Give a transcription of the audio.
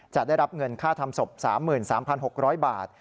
จะได้รับเงินค่าทำศพ๓๓๖๐๐บาท